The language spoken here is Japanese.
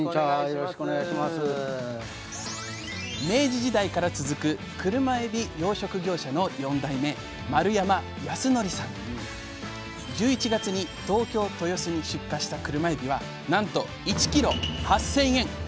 明治時代から続くクルマエビ養殖業者の４代目１１月に東京・豊洲に出荷したクルマエビはなんと１ｋｇ８，０００円！